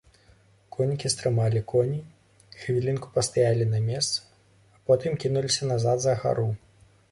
Коннікі стрымалі коней, хвілінку пастаялі на месцы, а потым кінуліся назад, за гару.